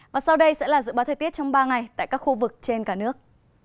và sau đây sẽ là dự báo thời tiết trong ba ngày tại các khu vực trên cả nước